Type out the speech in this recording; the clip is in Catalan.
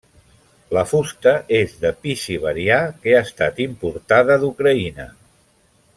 La fusta és de pi siberià que ha estat importada d'Ucraïna.